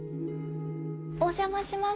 お邪魔します。